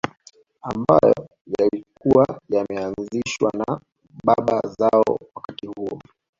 Ambayo yalikuwa yameanzishwa na baba zao wakati huo